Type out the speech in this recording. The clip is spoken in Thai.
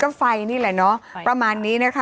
ก็ไฟนี่แหละเนอะประมาณนี้นะคะ